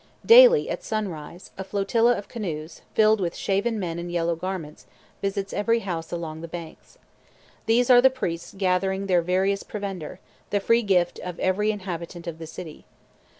Daily, at sunrise, a flotilla of canoes, filled with shaven men in yellow garments, visits every house along the banks. These are the priests gathering their various provender, the free gift of every inhabitant of the city.